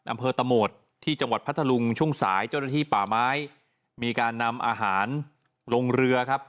อำเภอตะโหมดที่จังหวัดพัทธลุงช่วงสายเจ้าหน้าที่ป่าไม้มีการนำอาหารลงเรือครับ